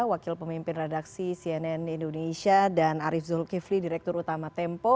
wakil pemimpin redaksi cnn indonesia dan arief zulkifli direktur utama tempo